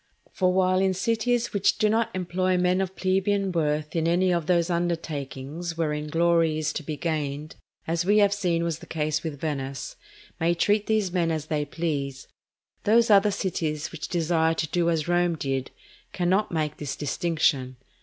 For while cities which do not employ men of plebeian birth in any of those undertakings wherein glory is to be gained, as we have seen was the case with Venice, may treat these men as they please, those other cities which desire to do as Rome did, cannot make this distinction.